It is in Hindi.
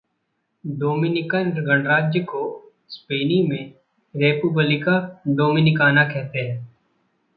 डोमिनिकन गणराज्य को स्पेनी में "रेपुबलिका डोमिनिकाना" कहते है।